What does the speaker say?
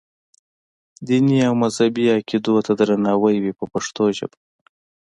دیني او مذهبي عقیدو ته درناوی وي په پښتو ژبه.